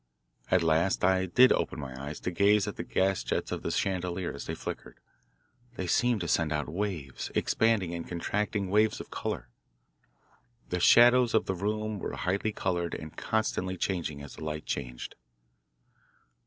At last I did open my eyes to gaze at the gasjets of the chandelier as they flickered. They seemed to send out waves, expanding and contracting, waves of colour. The shadows of the room were highly coloured and constantly changing as the light changed.